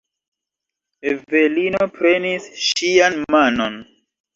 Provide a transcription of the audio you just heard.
Evelino prenis ŝian manon.